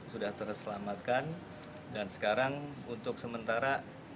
sudah terselamatkan dan sekarang untuk sementara